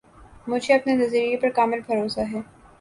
مجھے اپنے نظریہ پر کامل بھروسہ ہے